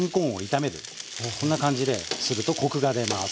こんな感じでするとコクが出ます。